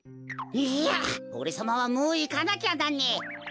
いやおれさまはもういかなきゃなんねえ。